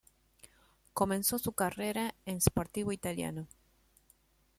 Comenzó su carrera en Sportivo Italiano.